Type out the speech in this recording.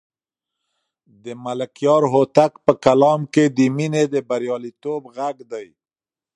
د ملکیار هوتک په کلام کې د مینې د بریالیتوب غږ دی.